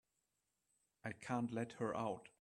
I can't let her out.